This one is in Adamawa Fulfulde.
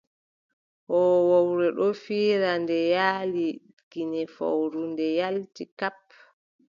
Hoowowre ɗon fiira, nde yaali kine fowru, nde yaalti. Kap!